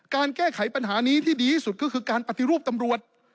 การแก้ไขปัญหานี้ที่ดีที่สุดก็คือการปฏิรูปตำรวจ